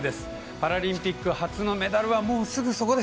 パラリンピック初のメダルはもうすぐそこです。